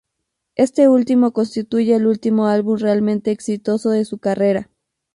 Este último constituye el último álbum realmente exitoso de su carrera.